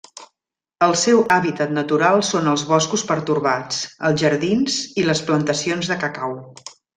El seu hàbitat natural són els boscos pertorbats, els jardins i les plantacions de cacau.